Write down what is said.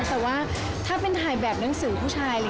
แต่ว่าถ้าเป็นถ่ายแบบหนังสือผู้ชาย